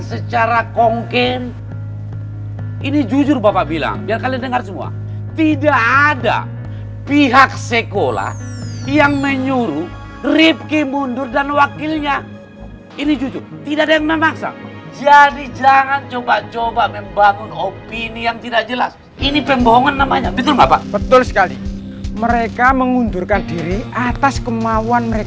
seharusnya kita voting ulang untuk pemilihan ketua osis dan wakil ketua osis yang baru pak